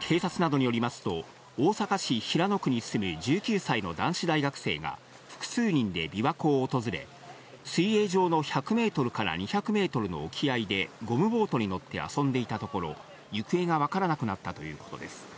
警察などによりますと、大阪市平野区に住む１９歳の男子大学生が、複数人で琵琶湖を訪れ、水泳場の１００メートルから２００メートルの沖合でゴムボートに乗って遊んでいたところ、行方が分からなくなったということです。